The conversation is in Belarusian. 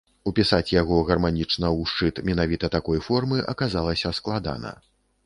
Упісаць яго гарманічна ў шчыт менавіта такой формы аказалася складана.